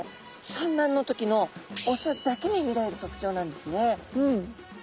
産卵の時のオスだけに見られる特徴なんですね。